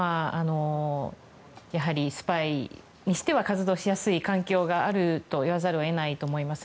スパイにしては活動しやすい環境があると言わざるを得ないと思います。